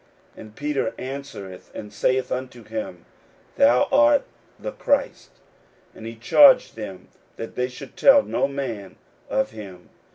And Peter answereth and saith unto him, Thou art the Christ. 41:008:030 And he charged them that they should tell no man of him.